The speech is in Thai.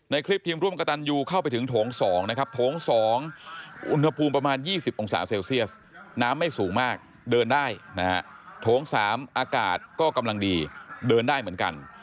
คลิปทีมร่วมกระตันยูเข้าไปถึงโถง๒นะครับโถง๒อุณหภูมิประมาณ๒๐องศาเซลเซียสน้ำไม่สูงมากเดินได้นะฮะโถง๓อากาศก็กำลังดีเดินได้เหมือนกัน